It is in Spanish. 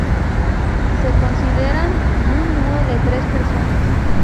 Se consideran un dúo de tres personas.